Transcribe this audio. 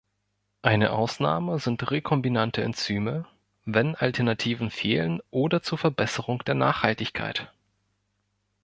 Eine Ausnahme sind rekombinante Enzyme, wenn Alternativen fehlen oder zur Verbesserung der Nachhaltigkeit.